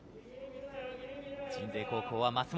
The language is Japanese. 鎮西高校は舛本。